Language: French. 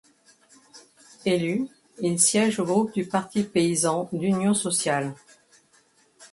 Élu, il siège au groupe du Parti paysan d'union sociale.